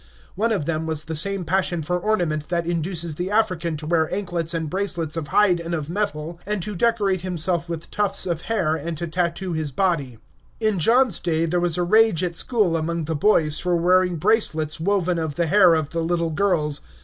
One of them was the same passion for ornament that induces the African to wear anklets and bracelets of hide and of metal, and to decorate himself with tufts of hair, and to tattoo his body. In John's day there was a rage at school among the boys for wearing bracelets woven of the hair of the little girls.